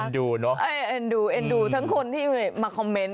ดูใช่ไงเอ็นดูเนอะเอ็นดูทั้งคนที่มาคอมเมนต์